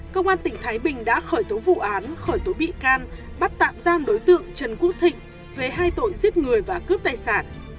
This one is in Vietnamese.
công an tỉnh thái bình đã khởi tố vụ án khởi tố bị can bắt tạm giam đối tượng trần quốc thịnh về hai tội giết người và cướp tài sản